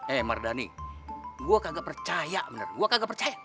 eh mardhani gua kagak percaya bener gua kagak percaya